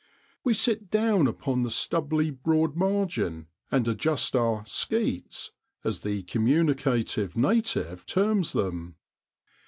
we sit down upon the stubbly broad margin and adjust our 'skeets,' as the communicative native terms them.